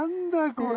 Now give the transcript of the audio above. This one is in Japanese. これ。